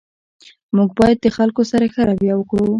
موږ باید د خلګو سره ښه رویه وکړو